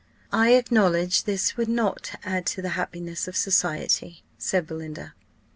_" "I acknowledge this would not add to the happiness of society," said Belinda.